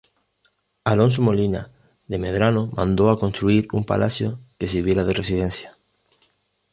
Alonso Molina de Medrano mandó a construir un palacio que sirviera de residencia.